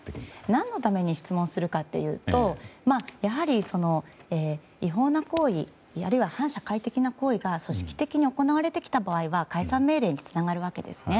何のために質問するかというとやはり、違法な行為あるいは反社会的な行為が組織的に行われてきた場合は解散命令につながるわけですね。